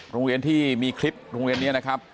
โรงเรียนที่มีคลิปโรงเรียนนี้นะครับ